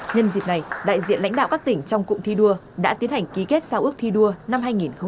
nhân dịp này đại diện lãnh đạo các tỉnh trong cụm thi đua đã tiến hành ký kết giao ước thi đua năm hai nghìn hai mươi